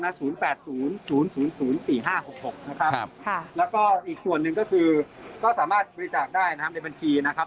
แล้วก็อีกส่วนหนึ่งก็คือก็สามารถบริจาคได้นะครับในบัญชีนะครับ